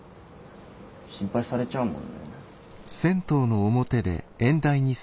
心配されちゃうもんね。